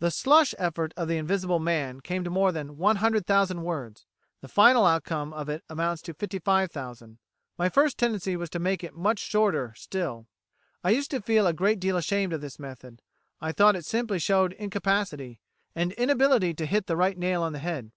"The 'slush' effort of 'The Invisible Man' came to more than 100,000 words; the final outcome of it amounts to 55,000. My first tendency was to make it much shorter still. "I used to feel a great deal ashamed of this method. I thought it simply showed incapacity, and inability to hit the right nail on the head.